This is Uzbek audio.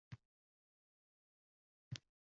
Kutubxona tashkil etishingizga nima sabab bo`ldi